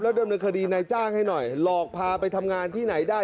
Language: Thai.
ดำเนินคดีนายจ้างให้หน่อยหลอกพาไปทำงานที่ไหนได้